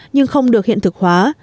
nhưng không được hiện thực hóa